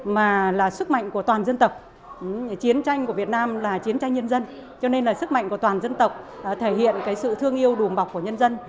mà là sức mạnh của toàn dân tộc chiến tranh của việt nam là chiến tranh nhân dân cho nên là sức mạnh của toàn dân tộc thể hiện cái sự thương yêu đùm bọc của nhân dân